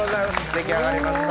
出来上がりました。